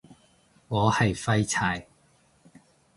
我係廢柴